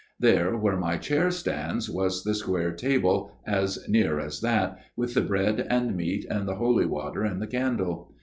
There where my chair stands was the square table, as near as that, with the bread and meat and the holy water and the candle.